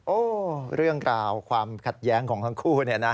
โอ้เรื่องกล่าวความขัดแย้งของทั้งคู่